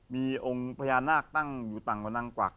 มีองค์พญานาคตั้งอยู่ต่างวนังกวัก